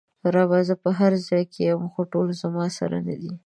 رب: زه په هر ځای کې ېم خو ټول زما سره ندي!